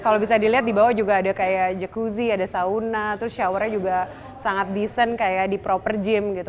lihat di bawah juga ada kayak jacuzzi ada sauna terus showernya juga sangat decent kayak di proper gym gitu